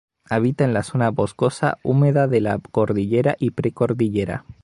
Habita en la zona boscosa húmeda de la cordillera y pre cordillera.